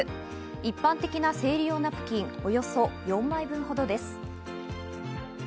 一般的な生理用ナプキンおよそ４枚分ほどです。